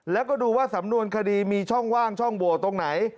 แล้วก็ดูว่าสำนวนคดีมีช่องว่างช่องโหวตตรงไหน